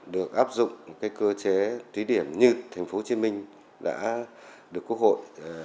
được áp dụng cơ chế tí điểm như tp hcm đã được quốc hội